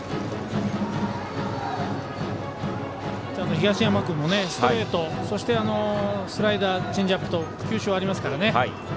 東山君もストレート、スライダーチェンジアップと球種はありますからね。